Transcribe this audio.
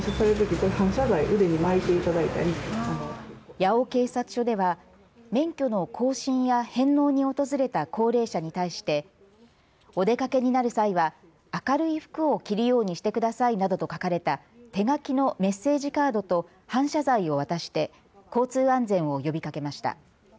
八尾警察署では免許の更新や返納に訪れた高齢者に対してお出かけになる際は明るい服を着るようにしてくださいなどと書かれた手書きのメッセージカードと反射材を渡して交通安全を呼びかけました。